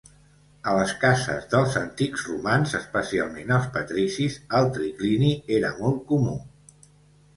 A les cases dels antics romans, especialment els patricis, el triclini era molt comú.